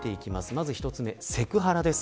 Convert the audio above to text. まず一つ目セクハラです